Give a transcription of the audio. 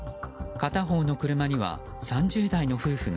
片方の車には３０代の夫婦が。